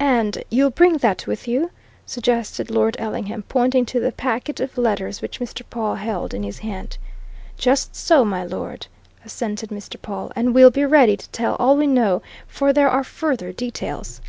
"And you'll bring that with you?" suggested Lord Ellingham, pointing to the packet of letters which Mr. Pawle held in his hand. "Just so, my lord," assented Mr. Pawle. "And we'll be ready to tell all we know for there are further details."